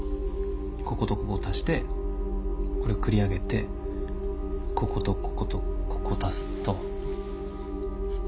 こことここを足してこれ繰り上げてこことこことここ足すと。